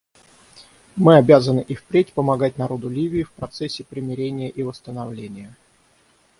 Мы обязаны и впредь помогать народу Ливии в процессе примирения и восстановления.